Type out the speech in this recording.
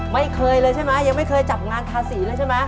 ไม่เคยเลยใช่ไหมยังไม่เคยจับงานทาสีเลยใช่ไหม